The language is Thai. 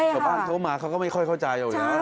ชาวบ้านโทรมาเขาก็ไม่ค่อยเข้าใจ